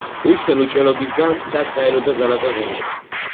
უსმელ-უჭმელობიგან მთლად დაელოდა ძალა და ღონე